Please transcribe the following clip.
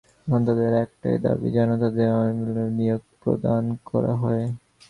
এখন তাঁদের একটাই দাবি, যেন তাঁদের অনতিবিলম্বে নিয়োগ প্রদান করা হয়।